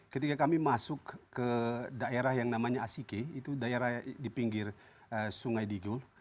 ketika kami masuk ke daerah yang namanya asike itu daerah di pinggir sungai digul